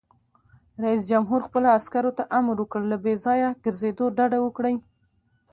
رئیس جمهور خپلو عسکرو ته امر وکړ؛ له بې ځایه ګرځېدو ډډه وکړئ!